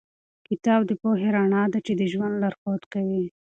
کتاب د پوهې رڼا ده چې د ژوند لارښود کوي.